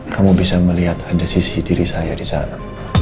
kamu bisa melihat ada sisi diri saya di sana